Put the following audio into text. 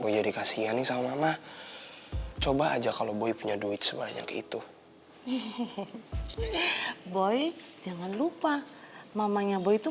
jadi kasian sama coba aja kalau punya duit sebanyak itu boy jangan lupa mamanya boy itu